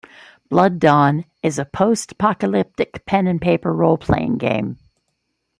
Blood Dawn is a post-apocaclyptic pen and paper roleplaying game.